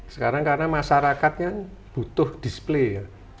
sekarang karena masyarakatnya butuh display